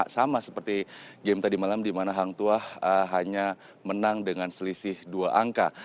sama seperti game tadi malam di mana hang tuah hanya menang dengan selisih dua angka